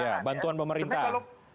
iya bantuan pemerintah